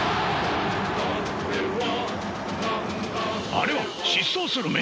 あれは疾走する眼！